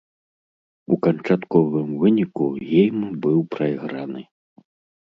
У канчатковым выніку гейм быў прайграны.